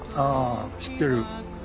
ああ知ってる。